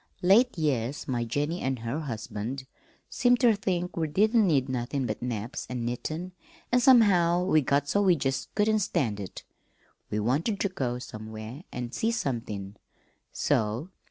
Late years my Jennie an' her husband seemed ter think we didn't need nothin' but naps an' knittin', an' somehow we got so we jest couldn't stand it. We wanted ter go somewhere an' see somethin', so."